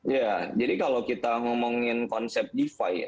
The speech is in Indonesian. ya jadi kalau kita ngomongin konsep defi ya